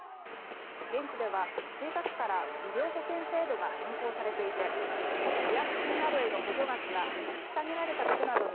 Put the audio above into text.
現地では１日から医療保険制度が変更されていて医薬品などへの補助額が引き下げられたことなどに